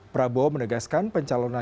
mereka sudah disanjung tekun secara loa